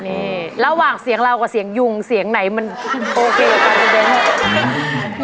นี่ระหว่างเสียงเรากับเสียงยุงเสียงไหนมันโอเคกัน